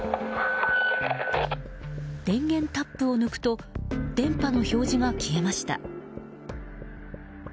電源タップを抜くと電波の表示が消えました。